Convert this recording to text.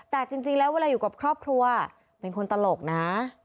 แต่จริงแล้วเวลาอยู่กับครอบครัวเป็นคนตลกนะ